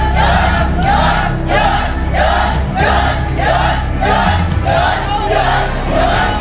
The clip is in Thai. สู้หรือหยุดครับ